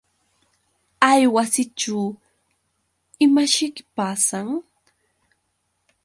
Hay wasićhu ¿imaćhiki pasan?